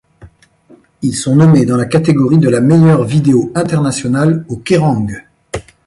Ils sont nommés dans la catégorie de la meilleure vidéo internationale aux Kerrang!